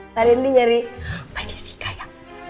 pak rendy nyari pak jessica ya